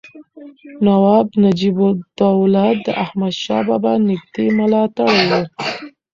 نواب نجیب الدوله د احمدشاه بابا نږدې ملاتړی و.